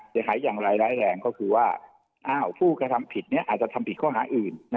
เสียหายอย่างไรร้ายแรงก็คือว่าผู้กระทำผิดอาจจะทำผิดข้อหาอื่น